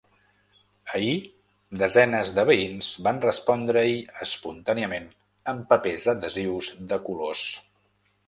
Ahir, desenes de veïns van respondre-hi espontàniament amb papers adhesius de colors.